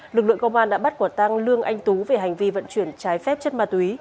lực lượng công an đã bắt quả tang lương anh tú về hành vi vận chuyển trái phép chất ma túy